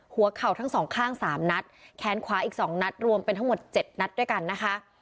หัวเข่าทั้งสองข้าง๓นัดแขนขวาอีก๒นัดรวมเป็นทั้งหมด๗นัดด้วยกันนะคะ